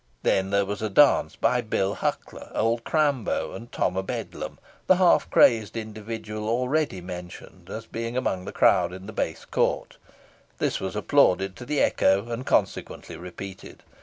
Then there was a dance by Bill Huckler, old Crambo, and Tom o' Bedlam, the half crazed individual already mentioned as being among the crowd in the base court. This was applauded to the echo, and consequently repeated.